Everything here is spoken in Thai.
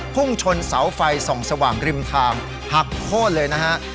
พุ่งชนเสาไฟส่องสว่างริมทางหักโค้นเลยนะฮะ